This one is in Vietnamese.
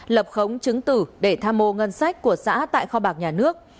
lập khống chứng tử để tham mô ngân sách của xã tại kho bạc nhà nước